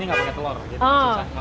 yang bubur telur sama bubur cikini